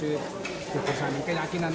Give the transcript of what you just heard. ya kan buburnya kongkret senang